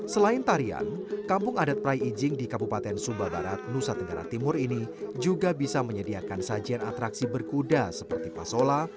selain tarian kampung adat prai ijing di kabupaten sumba barat nusa tenggara timur ini juga bisa menyediakan sajian atraksi berkuda seperti pasola